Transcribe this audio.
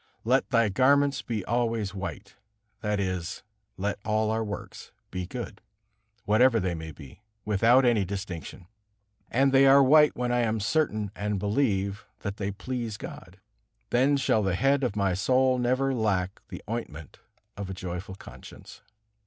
"Let thy garments be always white," that is, let all our works be good, whatever they may be, without any distinction. And they are white when I am certain and believe that they please God. Then shall the head of my soul never lack the ointment of a joyful conscience.